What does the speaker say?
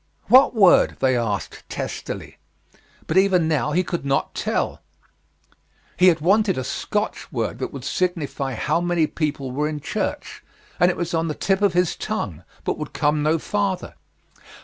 What word? they asked testily; but even now he could not tell. He had wanted a Scotch word that would signify how many people were in church, and it was on the tip of his tongue, but would come no farther.